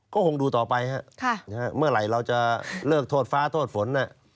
ก็คงดูต่อไปฮะเมื่อไหร่เราจะเลิกโทษฟ้าโทษฝน